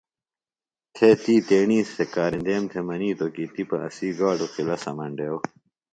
تھے تی تیݨی سےۡ کارِندیم تھےۡ منِیتوۡ کی تِپہ اسی گاڈوۡ قِلا سمینڈیوۡ